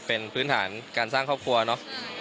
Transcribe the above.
เป็นพื้นฐานการสร้างครอบครัวเนอะ